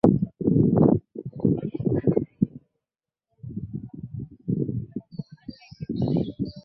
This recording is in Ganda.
N’agamba nti mu butuufu, okuwabulwa ggwe asobola okunkolera ekintu ekyo.